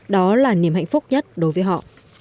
đó là niềm hạnh phúc nhất đối với họ